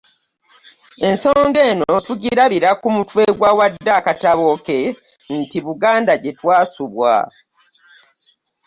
Ensonga eno tugirabira ku mutwe gw’awadde akatabo ke nti Buganda Gye Twasubwa.